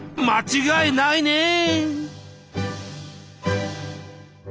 間違いないね！